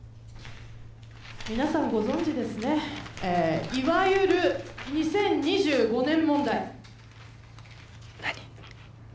皆さんご存じですねえいわゆる２０２５年問題何？